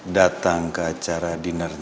datang ke acara dinner